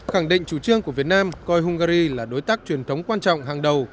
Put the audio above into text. khẳng định chủ trương của việt nam coi hungary là đối tác truyền thống quan trọng hàng đầu